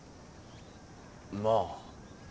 まあ。